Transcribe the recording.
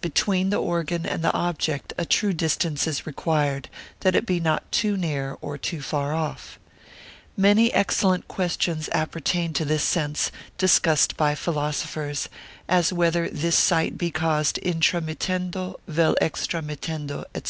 Between the organ and object a true distance is required, that it be not too near, or too far off! Many excellent questions appertain to this sense, discussed by philosophers: as whether this sight be caused intra mittendo, vel extra mittendo, &c.